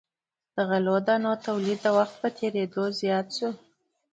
د غلو دانو تولید د وخت په تیریدو زیات شو.